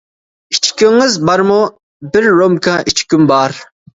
-ئىچكۈڭىز بارمۇ؟ -بىر رومكا ئىچكۈم بار.